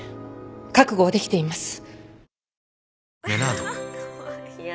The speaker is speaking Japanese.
覚悟はできています。